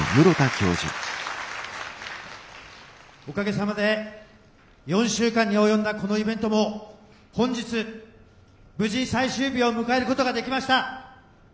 おかげさまで４週間に及んだこのイベントも本日無事最終日を迎えることができました。